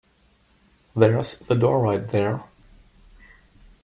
There's the door right there.